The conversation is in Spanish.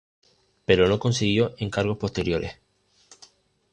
Pero no consiguió encargos posteriores.